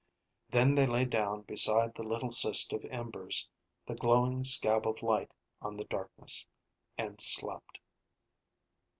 Then they lay down beside the little cyst of embers, the glowing scab of light on the darkness, and slept.